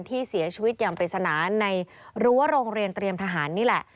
ที่เสียชีวิตอย่างปริศนาในรั้วโรงเรียนเตรียมทหารนี่แหละ